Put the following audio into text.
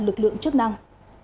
lực lượng chức năng